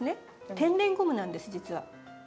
天然ゴムなんです実は。